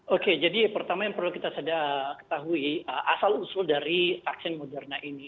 oke jadi pertama yang perlu kita ketahui asal usul dari vaksin moderna ini